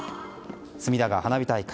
隅田川花火大会。